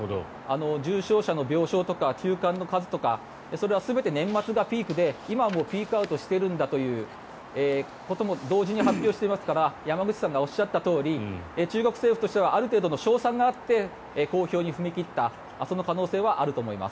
重症者の病床とか急患の数とかそれは全て年末がピークで今はもうピークアウトしているんだということも同時に発表していますから山口さんがおっしゃったとおり中国政府としてはある程度の勝算があって公表に踏み切ったその可能性はあると思います。